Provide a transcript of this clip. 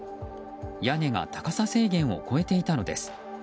屋根が高さ制限を超えていたのです。